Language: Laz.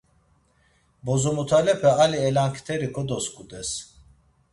Bozomotalepe ali elankteri kodosǩudes.